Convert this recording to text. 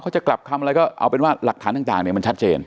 จะกลับคำอะไรก็เอาเป็นว่าหลักฐานต่างเนี่ยมันชัดเจน